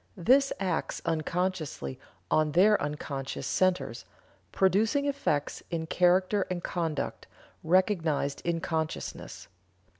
This acts unconsciously on their unconscious centers, producing effects in character and conduct, recognized in consciousness.